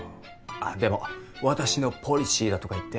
でも私のポリシーだとか言って。